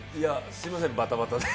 すいません、バタバタで。